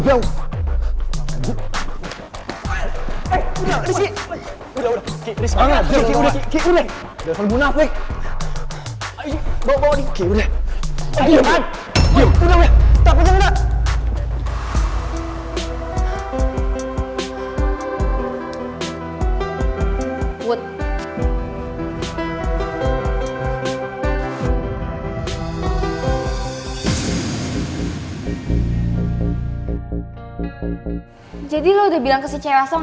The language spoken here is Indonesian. aku gak bisa dibiarin